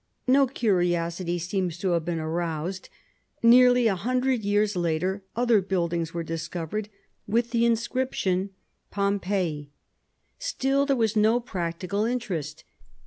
No curiosity seems to have been aroused. Nearly a hundred years later other buildings were discovered, with the inscription "POMPEII." Still there was no practical interest.